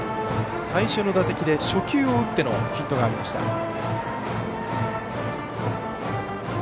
最初の打席で初球を打ってのヒットがありました。